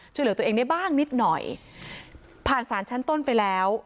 ช่วยเหลือตัวเองได้บ้างนิดหน่อยผ่านสารชั้นต้นไปแล้ว